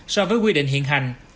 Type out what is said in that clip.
so với quy định hiện hành